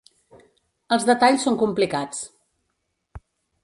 Els detalls són complicats.